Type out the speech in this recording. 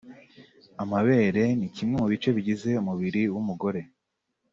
Amabere ni kimwe mu bice bigize umubiri w’umugore